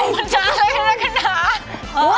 มันจะอะไรแนะนาน